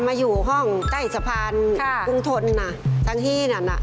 มาอยู่ห้องใต้สะพานกรุงทนสังฮีนั่น